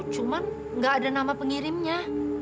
cuman gak ada nama pengirimnya